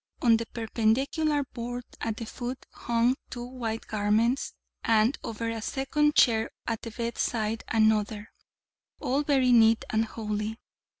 On the perpendicular board at the foot hung two white garments, and over a second chair at the bed side another: all very neat and holy.